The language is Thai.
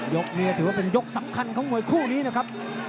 ยกนี้ถือว่าเป็นยกสำคัญของมวยคู่นี้นะครับ